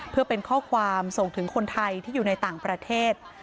เพื่อเป็นข้อความส่งถึงคนไทยที่อยู่ในต่างประเทศ